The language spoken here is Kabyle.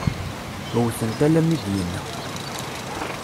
Wwten-t almi i d-yenna.